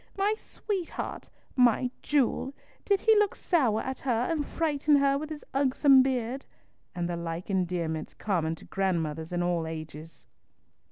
My sweetheart! My jewel! Did he look sour at her and frighten her with his ugsome beard?" and the like endearments common to grandmothers in all ages.